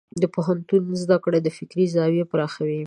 د پوهنتون زده کړه د فکر زاویې پراخوي.